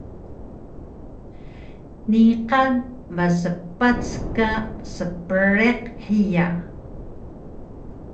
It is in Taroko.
Niqan maspac ka spriq hiya